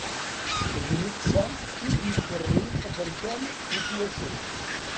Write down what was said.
D netta i d ikerri aberkan n twacult.